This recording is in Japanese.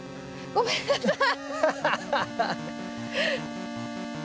ごめんなさい。